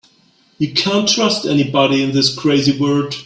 You can't trust anybody in this crazy world.